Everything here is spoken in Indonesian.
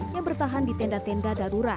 yang bertahan di tenda tenda darurat